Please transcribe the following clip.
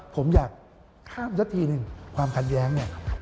ผมอยากข้ามสักทีหนึ่งความขัดแย้งเนี่ย